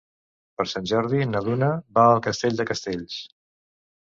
Per Sant Jordi na Duna va a Castell de Castells.